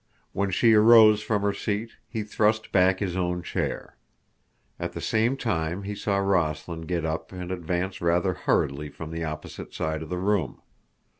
When she arose from her seat, he thrust back his own chair. At the same time he saw Rossland get up and advance rather hurriedly from the opposite side of the room.